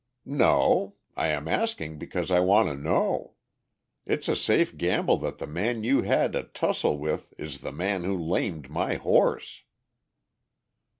"No. I am asking because I want to know. It's a safe gamble that the man you had a tussel with is the man who lamed my horse."